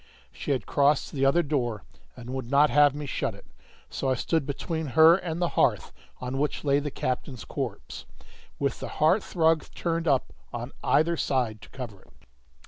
She had crossed to the other door, and would not have me shut it. So I stood between her and the hearth, on which lay the captain's corpse, with the hearthrug turned up on either side to cover it.